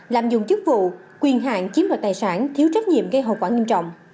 làm dụng chức vụ quyền hạng chiếm loạt tài sản thiếu trách nhiệm gây hậu quả nghiêm trọng